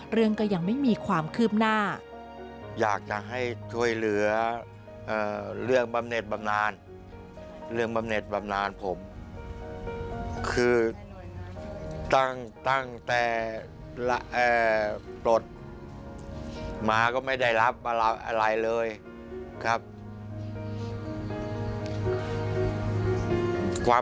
เรื่องก็ยังไม่มีความคืบหน้า